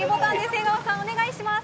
江川さん、お願いします。